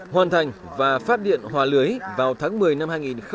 hoàn thành và phát điện hòa lưới vào tháng một mươi năm hai nghìn một mươi ba